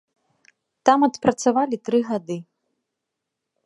Там адпрацавалі тры гады.